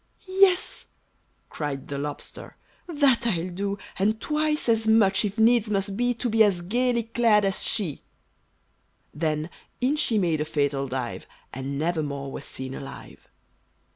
"Yes," cried the Lobster, "that I'll do, And twice as much, if needs must be, To be as gayly clad as she." Then, in she made a fatal dive, And never more was seen alive!